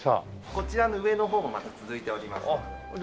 こちらの上の方もまた続いておりますので。